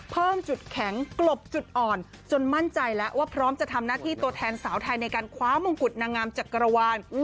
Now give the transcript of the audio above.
เพิ่มจุดแข็งกลบจุดอ่อนจนมั่นใจแล้วว่าพร้อมจะทำหน้าที่ตัวแทนสาวไทยในการคว้ามงกุฎนางงามจักรวาล